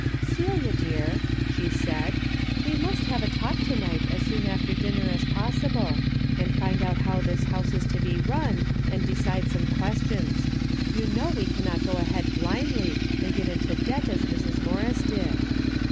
'' Celia, dear," she said, " we must have a talk to night as soon after dinner as possible, and find out how this house is to be run and decide some questions. You know we cannot go ahead blindly and get into debt as Mrs. Morris did."